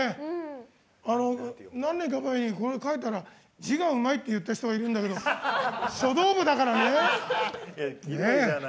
何年か前に書いたら字がうまいって言った人がいるんだけど書道部だからね！